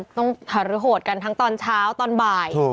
ต้องหารือโหดกันทั้งตอนเช้าตอนบ่าย